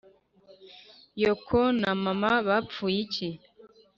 yoko na mama bapfuye iki ?-